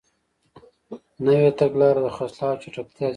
نوې تګلارې د خرڅلاو چټکتیا زیاتوي.